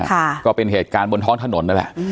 ก็เป็นเหตุการณ์บนท้องถนนนั่นแหละอืม